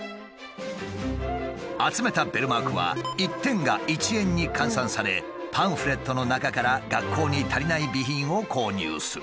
集めたベルマークは１点が１円に換算されパンフレットの中から学校に足りない備品を購入する。